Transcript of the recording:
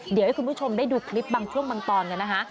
เดี๋ยวให้คุณผู้ชมได้ดูคลิปบางช่วงบางตอนกันนะคะ